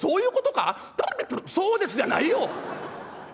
「そうですじゃないよ！